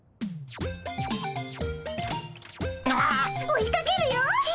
追いかけるよっ！